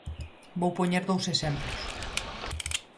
Vou poñer dous exemplos.